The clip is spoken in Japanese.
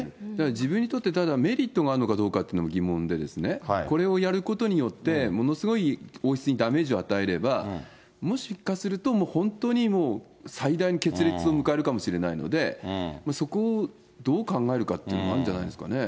自分にとってただ、メリットがあるかどうかというのも疑問でですね、これをやることによって、ものすごい王室にダメージを与えれば、もしかすると、もう本当に最大の決裂を迎えるかもしれないので、そこをどう考えるかっていうのもあるんじゃないですかね。